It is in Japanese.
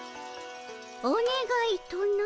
おねがいとな？